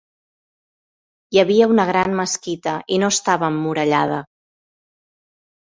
Hi havia una gran mesquita i no estava emmurallada.